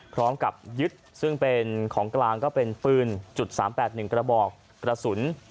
พร้อมกับยึดซึ่งเป็นของกลางก็เป็นปืน๓๘๑กระบอกกระสุน